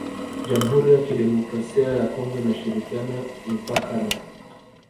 jamhuri ya Kidemokrasia ya Kongo inashirikiana mipaka na